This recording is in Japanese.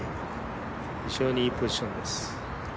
非常にいいポジションです。